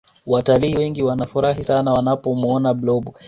Wataliii wengi wanafurahi sana wanapomuona blob